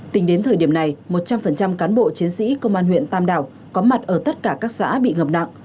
tính đến thời điểm này một trăm linh cán bộ chiến sĩ công an huyện tam đảo có mặt ở tất cả các xã bị ngập nặng